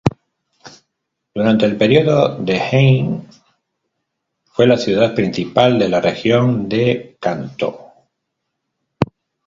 Durante el período de Heian fue la ciudad principal de la región de Kantō.